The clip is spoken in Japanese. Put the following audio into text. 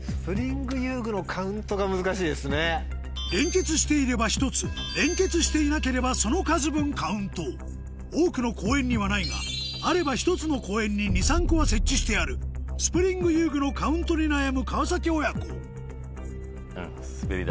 連結していれば１つ連結していなければその数分カウント多くの公園にはないがあれば１つの公園に２３個は設置してあるスプリング遊具のカウントに悩む川親子うんすべり台